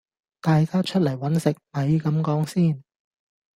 大家出嚟搵食咪咁講先